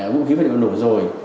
vũ khí vật động nổ rồi